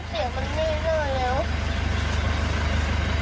เสียงไม่รู้จังเสียงมันไม่ได้แล้ว